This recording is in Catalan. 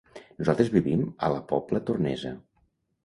Nosaltres vivim a la Pobla Tornesa.